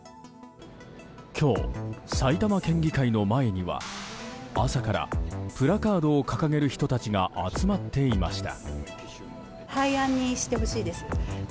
今日、埼玉県議会の前には朝からプラカードを掲げる人たちが集まっていました。